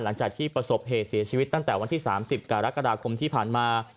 หลังจากที่ประสบเหตุเสียชีวิตตั้งแต่วันที่๓๐กรกฎาคมที่ผ่านมา